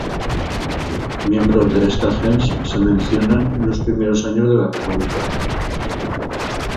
Miembros de esta "gens" se mencionan en los primeros años de la República.